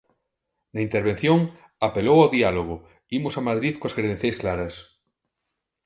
Na intervención, apelou ao diálogo, imos a Madrid coas credenciais claras.